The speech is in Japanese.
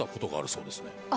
そうですね